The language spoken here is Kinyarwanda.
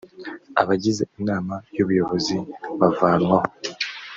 abagize inama y ‘ubuyobozi bavanwaho.